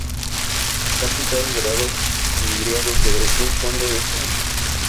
Está pintado en dorado vidriado sobre un fondo de estaño.